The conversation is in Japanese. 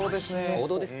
王道です。